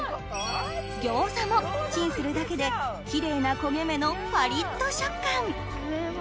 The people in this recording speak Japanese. ギョーザもチンするだけでキレイな焦げ目のパリっと食感！